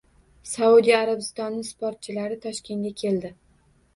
Saudiya Arabistoni sportchilari Toshkentga keldi